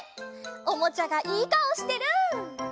おもちゃがいいかおしてる！